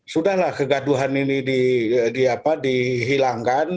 sudahlah kegaduhan ini dihilangkan